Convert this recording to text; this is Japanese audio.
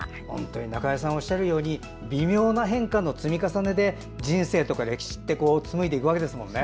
中江さんがおっしゃるように微妙な変化の積み重ねで人生とか歴史ってつむいでいくわけですもんね。